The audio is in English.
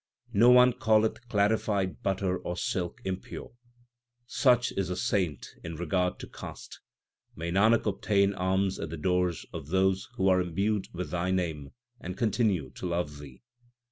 No one calleth clarified butter or silk impure ;] Such is a saint in regard to caste. May Nanak obtain alms at the doors Of those who are imbued with Thy name and continue to love Thee